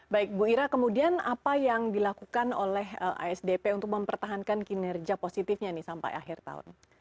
baik bu ira kemudian apa yang dilakukan oleh asdp untuk mempertahankan kinerja positifnya nih sampai akhir tahun